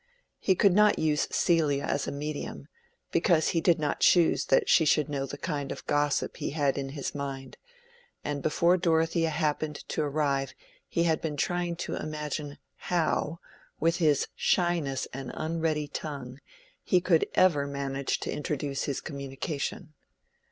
He could not use Celia as a medium, because he did not choose that she should know the kind of gossip he had in his mind; and before Dorothea happened to arrive he had been trying to imagine how, with his shyness and unready tongue, he could ever manage to introduce his communication.